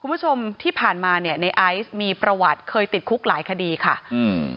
คุณผู้ชมที่ผ่านมาเนี้ยในไอซ์มีประวัติเคยติดคุกหลายคดีค่ะอืม